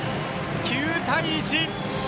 ９対１！